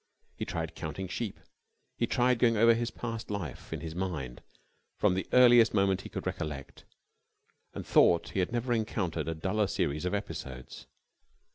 He tried counting sheep. He tried going over his past life in his mind from the earliest moment he could recollect, and thought he had never encountered a duller series of episodes.